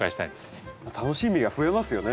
楽しみが増えますよね。